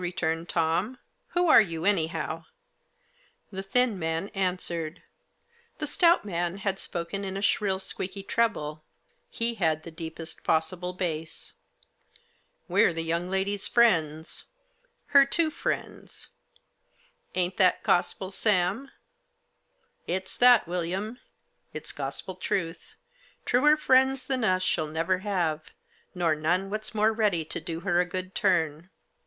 returned Tom. " Who are you, anyhow ?" The thin man answered ; the stout man had spoken in a shrill squeaky treble, he had the deepest possible bass. " We're the young lady's friends ; her two friends. Ain't that gospel, Sami "" It's that, William ; it's gospel truth. Truer friends than us she'll never have, nor none what's more ready to do her a good turn."